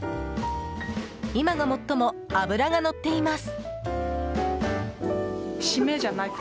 今が最も脂がのっています。